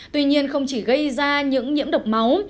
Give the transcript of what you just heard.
tuy nhiên không chỉ gây ra những nhiễm độc máu